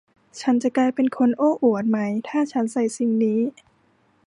ฉันจะกลายเป็นคนโอ้อวดมั้ยถ้าฉันใส่สิ่งนี้